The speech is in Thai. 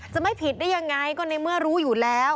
จะไม่ผิดได้ยังไงก็ในเมื่อรู้อยู่แล้ว